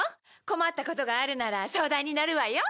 困ったことがあるなら相談にのるわよ。